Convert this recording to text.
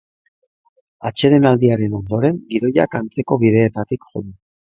Atsedenaldiaren ondoren, gidoiak antzeko bideetatik jo du.